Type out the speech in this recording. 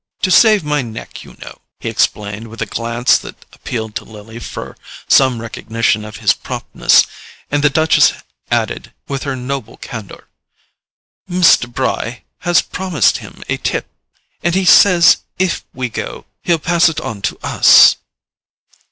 "To save my neck, you know!" he explained, with a glance that appealed to Lily for some recognition of his promptness; and the Duchess added, with her noble candour: "Mr. Bry has promised him a tip, and he says if we go he'll pass it onto us."